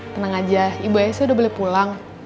tenang aja ibu aisyah udah boleh pulang